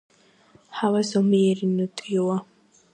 ჰავა ზომიერი ნოტიო.